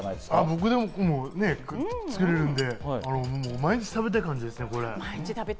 僕でも作れるんで毎日食べたい感じですね、これ。